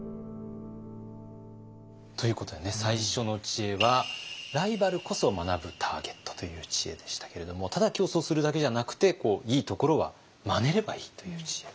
ということでね最初の知恵はライバルこそ学ぶターゲットという知恵でしたけれどもただ競争するだけじゃなくていいところはまねればいいという知恵。